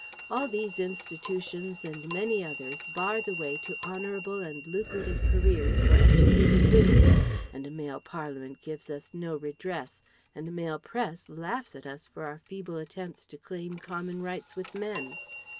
All these institutions and many others bar the way to honourable and lucrative careers for educated women, and a male parliament gives us no redress, and a male press laughs at us for our feeble attempts to claim common rights with men.